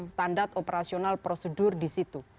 standar operasional prosedur disitu